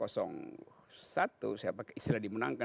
saya pakai istilah dimenangkan